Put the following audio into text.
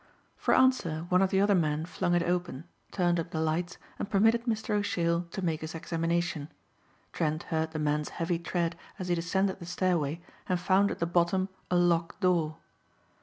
For answer one of the other men flung it open, turned up the lights and permitted Mr. O'Sheill to make his examination. Trent heard the man's heavy tread as he descended the stairway and found at the bottom a locked door.